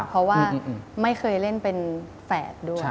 เพราะว่าไม่เคยเล่นเป็นแฝดด้วย